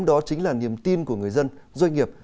đó chính là niềm tin của người dân doanh nghiệp